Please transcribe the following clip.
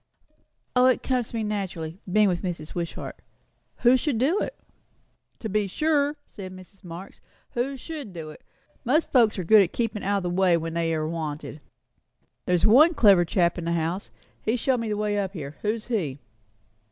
"O, it comes to me naturally, being with Mrs. Wishart. Who should do it?" "To be sure," said Mrs. Marx; "who should do it? Most folks are good at keepin' out o' the way when they are wanted. There's one clever chap in the house he showed me the way up here; who's he?"